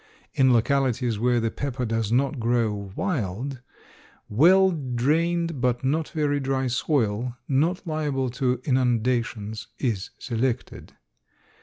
In localities where the pepper does not grow wild, well drained but not very dry soil not liable to inundations is selected.